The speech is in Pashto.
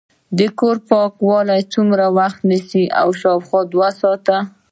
د کور پاکول څومره وخت نیسي؟ شاوخوا دوه ساعته